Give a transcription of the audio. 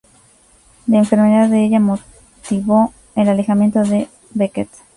La enfermedad de ella motivó el alejamiento de Beckett.